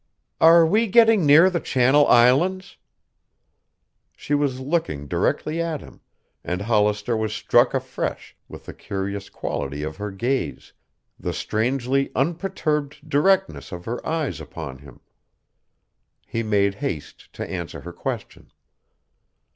"Are we getting near the Channel Islands?" She was looking directly at him, and Hollister was struck afresh with the curious quality of her gaze, the strangely unperturbed directness of her eyes upon him. He made haste to answer her question.